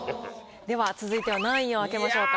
では続いては何位を開けましょうか？